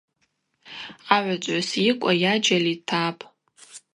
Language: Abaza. Агӏвычӏвгӏвыс йыкӏва йаджьаль йтапӏ.